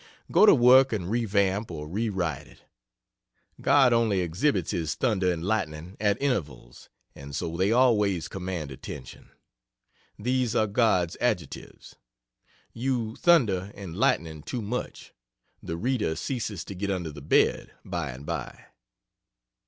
Go to work and revamp or rewrite it. God only exhibits his thunder and lightning at intervals, and so they always command attention. These are God's adjectives. You thunder and lightning too much; the reader ceases to get under the bed, by and by.